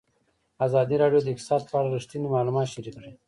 ازادي راډیو د اقتصاد په اړه رښتیني معلومات شریک کړي.